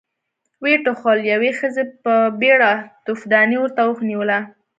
ويې ټوخل، يوې ښځې په بيړه توفدانۍ ورته ونېوله.